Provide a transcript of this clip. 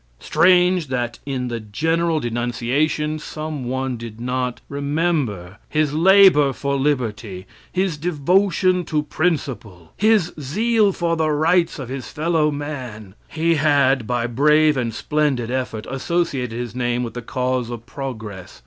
Strange that in the general denunciation some one did not remember his labor for liberty, his devotion to principle, his zeal for the rights of his fellow men. He had, by brave and splendid effort, associated his name with the cause of progress.